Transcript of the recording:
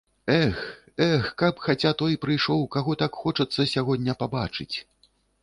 Эх, эх, каб хаця той прыйшоў, каго так хочацца сягоння пабачыць.